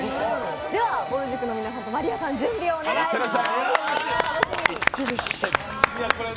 ではぼる塾の皆さんと真莉愛さん、ご準備をお願いします。